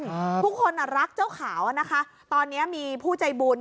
อ่าทุกคนอ่ะรักเจ้าขาวอ่ะนะคะตอนเนี้ยมีผู้ใจบุญ